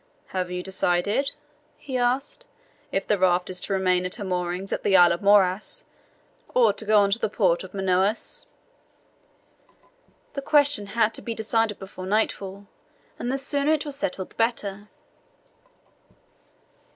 "Have you decided," he asked, "if the raft is to remain at her moorings at the Isle of Muras, or to go on to the port of Manaos?" The question had to be decided before nightfall, and the sooner it was settled the better.